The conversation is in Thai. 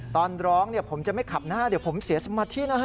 ตอนร้องผมจะไม่ขับหน้าเดี๋ยวผมเสียสมัครที่นะฮะ